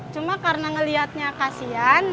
cuma karena ngelihatnya kasian